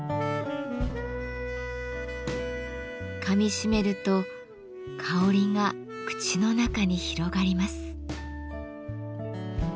かみしめると香りが口の中に広がります。